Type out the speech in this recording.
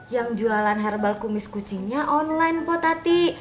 yang jualan herbal kumis kucingnya online po tati